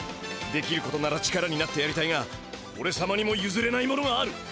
できることなら力になってやりたいがおれさまにもゆずれないものがある！